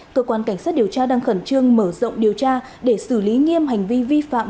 cơ quan cảnh sát điều tra đang khẩn trương mở rộng điều tra để xử lý nghiêm hành vi vi phạm